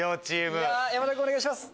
山田君お願いします。